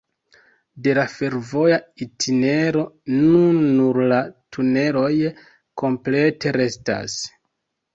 De la fervoja itinero nun nur la tuneloj komplete restas.